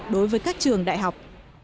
đối với các trường đại học